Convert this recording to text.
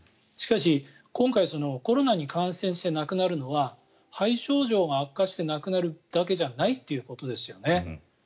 しかし、今回コロナに感染して亡くなるのは肺症状が悪化して亡くなるだけじゃないってことですよね。